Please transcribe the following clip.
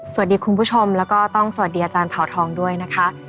คุณผู้ชมแล้วก็ต้องสวัสดีอาจารย์เผาทองด้วยนะคะ